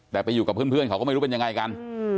แต่ไปอยู่กับเพื่อนเขาก็ไม่รู้เป็นยังไงกัน